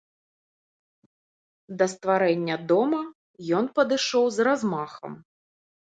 Да стварэння дома ён падышоў з размахам.